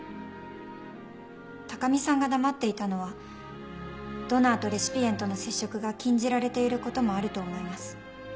高見さんが黙っていたのはドナーとレシピエントの接触が禁じられていることもあると思います。